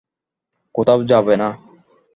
কোথাও যাবে না।